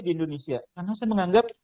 di indonesia karena saya menganggap